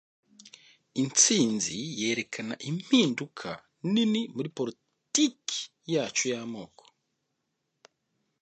intsinzi yerekana impinduka nini muri politiki yacu y'amoko.